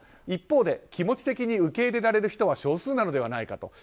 一方で気持ち的に受け入れられる人は少数なのではないかと。